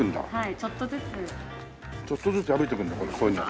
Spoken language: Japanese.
ちょっとずつ破いていくんだこういうふうに。